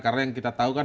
karena yang kita tahu kan